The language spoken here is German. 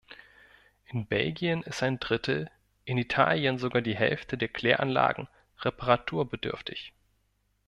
In Belgien ist ein Drittel, in Italien sogar die Hälfte der Kläranlagen reparaturbedürftig.